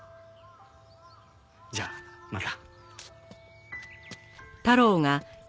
じゃあまた。